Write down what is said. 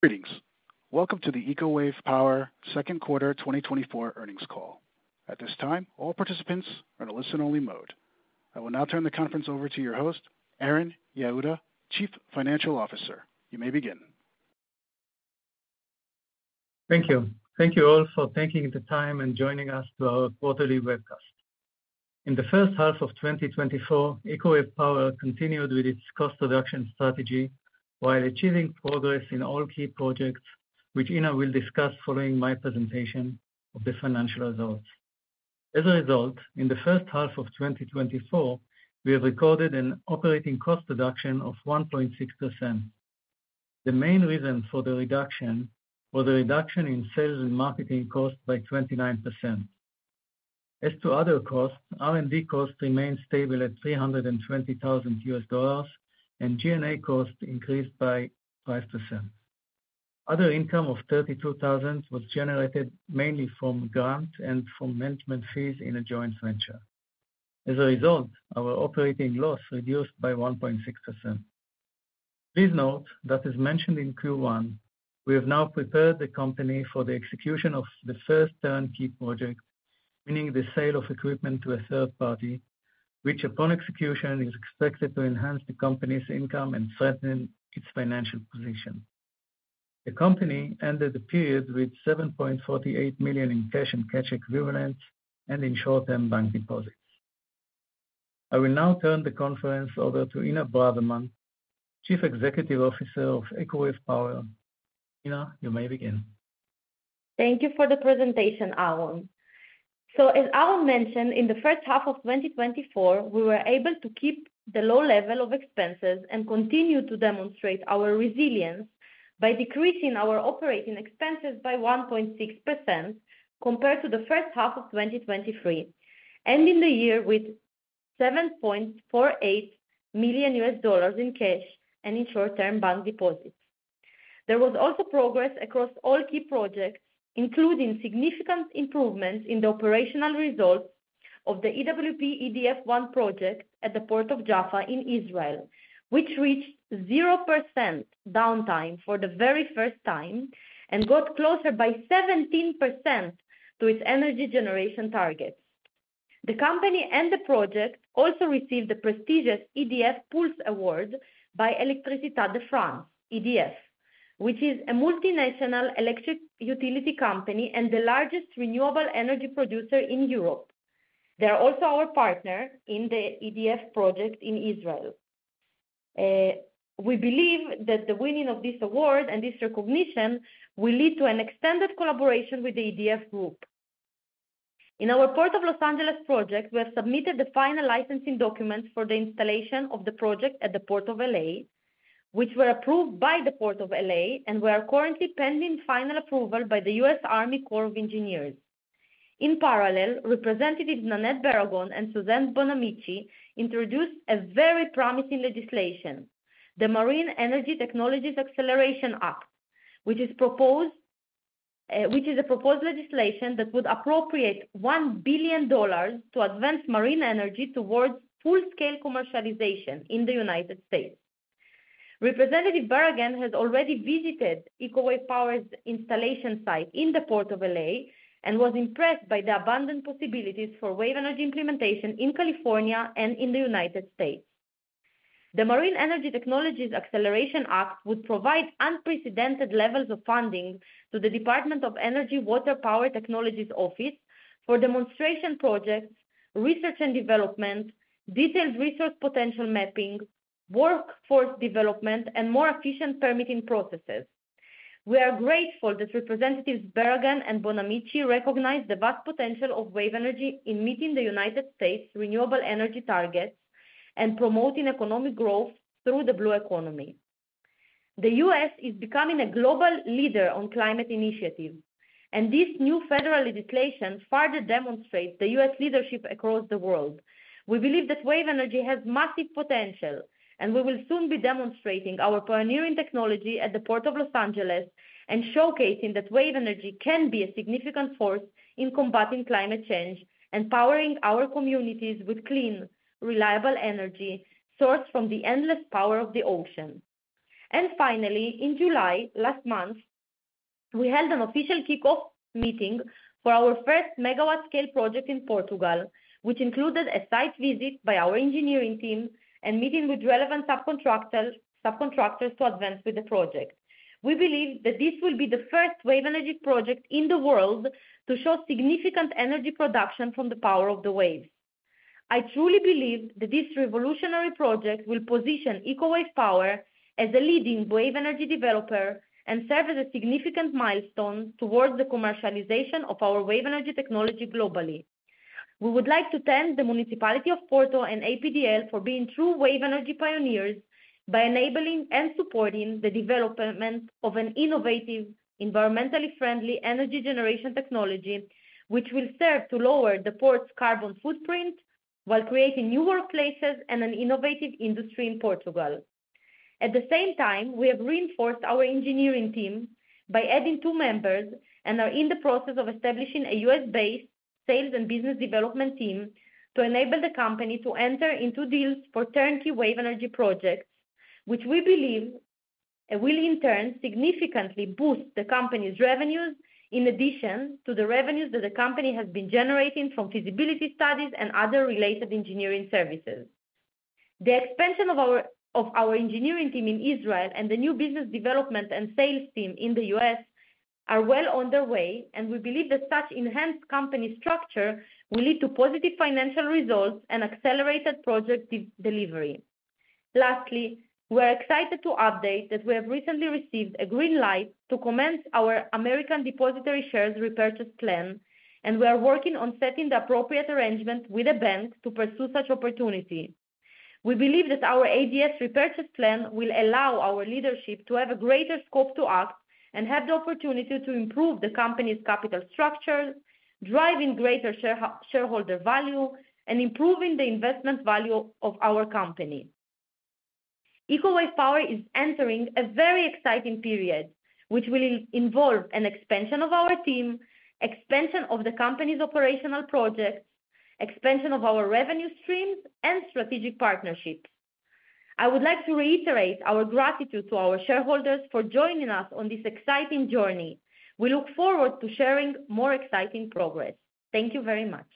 Greetings. Welcome to the Eco Wave Power Q2 2024 earnings call. At this time, all participants are in a listen-only mode. I will now turn the conference over to your host, Aharon Yehuda, ro Chief Financial Officer. You may begin. Thank you. Thank you all for taking the time and joining us for our quarterly webcast. In the first half of 2024, Eco Wave Power continued with its cost reduction strategy while achieving progress in all key projects, which Inna will discuss following my presentation of the financial results. As a result, in the first half of 2024, we have recorded an operating cost reduction of 1.6%. The main reason for the reduction was a reduction in sales and marketing costs by 29%. As to other costs, R&D costs remained stable at $320,000, and G&A costs increased by 5%. Other income of $32,000 was generated mainly from grants and from management fees in a joint venture. As a result, our operating loss reduced by 1.6%. Please note that as mentioned in Q1, we have now prepared the company for the execution of the first turnkey project, meaning the sale of equipment to a third party, which, upon execution, is expected to enhance the company's income and strengthen its financial position. The company ended the period with $7.48 million in cash and cash equivalents and in short-term bank deposits. I will now turn the conference over to Inna Braverman, Chief Executive Officer of Eco Wave Power. Inna, you may begin. Thank you for the presentation, Ahron. As Ahron mentioned, in the first half of twenty twenty-four, we were able to keep the low level of expenses and continue to demonstrate our resilience by decreasing our operating expenses by 1.6% compared to the first half of twenty twenty-three, ending the year with $7.48 million in cash and in short-term bank deposits. There was also progress across all key projects, including significant improvements in the operational results of the EWP EDF One project at the Port of Jaffa in Israel, which reached 0% downtime for the very first time and got closer by 17% to its energy generation targets. The company and the project also received the prestigious EDF Pulse Award by Électricité de France, EDF, which is a multinational electric utility company and the largest renewable energy producer in Europe. They are also our partner in the EDF project in Israel. We believe that the winning of this award and this recognition will lead to an extended collaboration with the EDF Group. In our Port of Los Angeles project, we have submitted the final licensing documents for the installation of the project at the Port of LA, which were approved by the Port of LA and were currently pending final approval by the U.S. Army Corps of Engineers. In parallel, Representatives Nanette Barragán and Suzanne Bonamici introduced a very promising legislation, the Marine Energy Technologies Acceleration Act, which is proposed, which is a proposed legislation that would appropriate $1 billion to advance marine energy towards full-scale commercialization in the United States. Representative Barragán has already visited Eco Wave Power's installation site in the Port of LA and was impressed by the abundant possibilities for wave energy implementation in California and in the United States. The Marine Energy Technologies Acceleration Act would provide unprecedented levels of funding to the Department of Energy Water Power Technologies office for demonstration projects, research and development, detailed resource potential mapping, workforce development, and more efficient permitting processes. We are grateful that Representatives Barragán and Bonamici recognize the vast potential of wave energy in meeting the United States' renewable energy targets and promoting economic growth through the blue economy. The U.S. is becoming a global leader on climate initiative, and this new federal legislation further demonstrates the U.S. leadership across the world. We believe that wave energy has massive potential, and we will soon be demonstrating our pioneering technology at the Port of Los Angeles and showcasing that wave energy can be a significant force in combating climate change and powering our communities with clean, reliable energy sourced from the endless power of the ocean. And finally, in July, last month, we held an official kickoff meeting for our first megawatt-scale project in Portugal, which included a site visit by our engineering team and meeting with relevant subcontractors to advance with the project. We believe that this will be the first wave energy project in the world to show significant energy production from the power of the waves. I truly believe that this revolutionary project will position Eco Wave Power as a leading wave energy developer and serve as a significant milestone towards the commercialization of our wave energy technology globally. We would like to thank the Municipality of Porto and APDL for being true wave energy pioneers by enabling and supporting the development of an innovative, environmentally friendly energy generation technology, which will serve to lower the port's carbon footprint while creating new workplaces and an innovative industry in Portugal. At the same time, we have reinforced our engineering team by adding two members and are in the process of establishing a U.S.-based sales and business development team to enable the company to enter into deals for turnkey wave energy projects, which we believe will in turn significantly boost the company's revenues, in addition to the revenues that the company has been generating from feasibility studies and other related engineering services. The expansion of our engineering team in Israel and the new business development and sales team in the U.S. are well underway, and we believe that such enhanced company structure will lead to positive financial results and accelerated project delivery. Lastly, we're excited to update that we have recently received a green light to commence our American depositary shares repurchase plan, and we are working on setting the appropriate arrangement with a bank to pursue such opportunity. We believe that our ADS repurchase plan will allow our leadership to have a greater scope to act and have the opportunity to improve the company's capital structure, driving greater shareholder value and improving the investment value of our company. Wave Power is entering a very exciting period, which will involve an expansion of our team, expansion of the company's operational projects, expansion of our revenue streams, and strategic partnerships. I would like to reiterate our gratitude to our shareholders for joining us on this exciting journey. We look forward to sharing more exciting progress. Thank you very much.